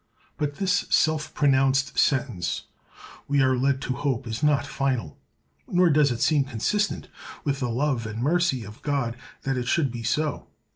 But this self pronounced sentence we are led to hope is not final; nor does it seem consistent with the love and mercy of God that it should be so.